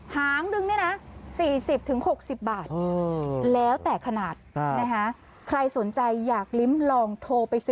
หางนึงนี่นะ๔๐๖๐บาท